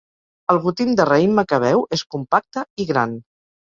El gotim de raïm macabeu és compacte i gran.